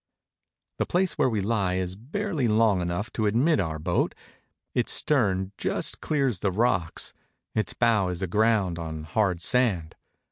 The place where we lie is barely long enough to admit our boat ; its stern just clears the rocks, its bow is aground on hard sand.